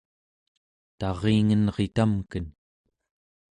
taringenritamken